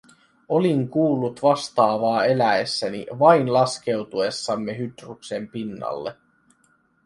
Olin kuullut vastaavaa eläessäni vain laskeutuessamme Hydruksen pinnalle.